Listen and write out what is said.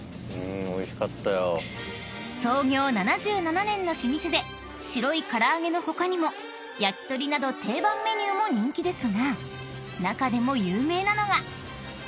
［創業７７年の老舗で白いからあげの他にも焼き鳥など定番メニューも人気ですが中でも有名なのが］